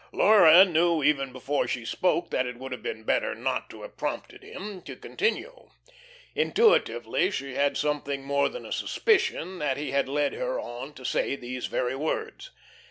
Laura knew even before she spoke that it would have been better not to have prompted him to continue. Intuitively she had something more than a suspicion that he had led her on to say these very words.